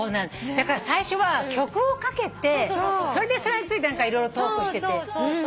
だから最初は曲をかけてそれでそれについて色々トークしてて。